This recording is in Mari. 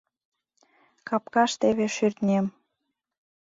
Капкаш теве шӱртнем...